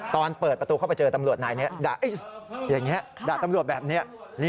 ตอนเปิดประตูเข้าไปเจอตำรวจนายด่าตำรวจแบบนี้